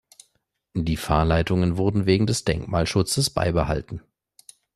Die Fahrleitung wurde wegen des Denkmalschutzes beibehalten.